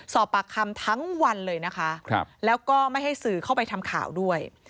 สอบปากคำทั้งวันเลยนะคะแล้วก็ไม่ให้สื่อเข้าไปทำข่าวด้วย